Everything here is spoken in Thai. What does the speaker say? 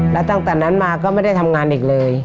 แล้วตั้งแต่นั้นมาก็ไม่ได้ทำงานอีกเลย